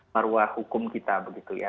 maruah hukum kita begitu ya